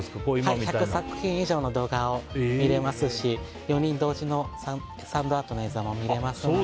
１００作品以上の動画見れますし４人同時のサンドアートの映像も見れますので。